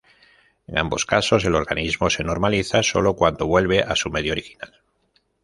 En ambos casos, el organismo se normaliza solo cuando vuelve a su medio original.